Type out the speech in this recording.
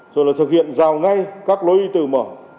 rồi là thực hiện giao ngay các lối đi tự mở